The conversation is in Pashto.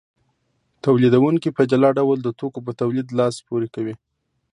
تولیدونکي په جلا ډول د توکو په تولید لاس پورې کوي